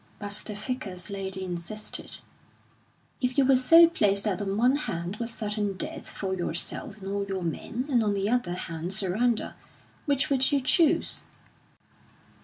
But the Vicar's lady insisted: "If you were so placed that on one hand was certain death for yourself and all your men, and on the other hand surrender, which would you chose?"